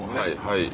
はい。